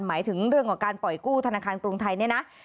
หมายถึงเรื่องของการปล่อยกู้ธนาคารกรุงไทยเนี่ยนะ